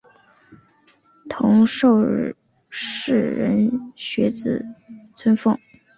同受士人学子尊奉。